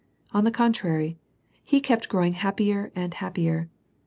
On the contrary, te kept growing happier and happier.